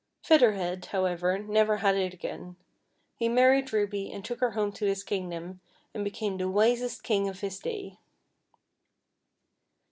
Feather Head, how ever, never had it again. He married Ruby, and took her home to his kingdom, and became the wisest King of his day.